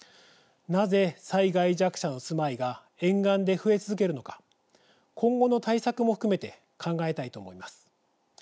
なぜ、災害弱者の住まいが沿岸で増え続けるのか今後の対策も含めて考えたいと思います。